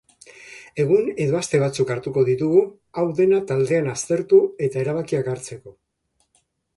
Egun edo aste batzuk hartuko ditugu hau dena taldean aztertu eta erabakiak hartzeko.